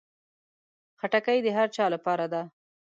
خټکی د هر چا لپاره ده.